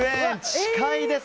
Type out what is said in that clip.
近いです。